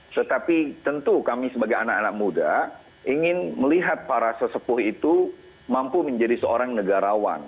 tetapi tentu kami sebagai anak anak muda ingin melihat para sesepuh itu mampu menjadi seorang negarawan